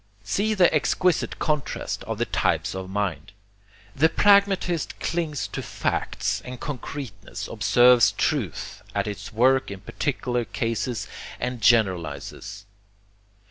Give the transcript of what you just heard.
See the exquisite contrast of the types of mind! The pragmatist clings to facts and concreteness, observes truth at its work in particular cases, and generalizes.